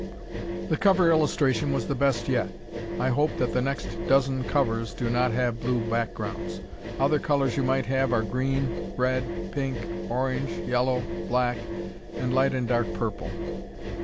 The cover illustration was the best yet. I hope that the next dozen covers do not have blue backgrounds. Other colors you might have are green, red, pink, orange, yellow, black and light and dark purple.